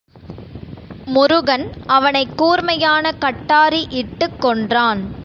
முருகன் அவனைக் கூர்மையான கட்டாரி இட்டுக் கொன்றான்.